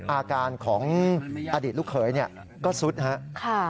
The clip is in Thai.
อาการของอดีตลูกเขยก็สุดครับ